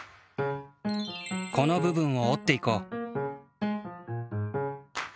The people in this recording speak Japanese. このぶぶんを折っていこう。